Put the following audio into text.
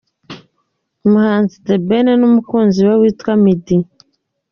Umuhanzi The Ben n’umukunzi we witwa Midi.